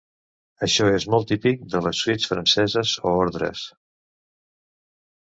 Això és molt típic de les suites franceses o ordres.